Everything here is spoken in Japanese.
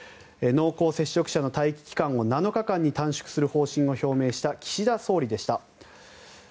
濃厚接触者の待機期間を７日間に短縮する方針を表明した岸田総理でした。